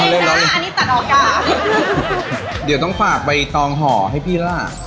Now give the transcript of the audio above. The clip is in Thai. อันนี้ตัดออกกะเดี๋ยวต้องฝากไปทองห่อให้พี่ล่ะ